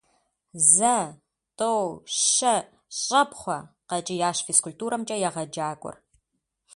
Зэ, тӏэу, щэ, щӏэпхъуэ! - къэкӏиящ физкультурэмкӏэ егъэджакӏуэр.